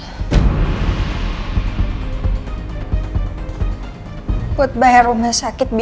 aku pinjam uang mama kamu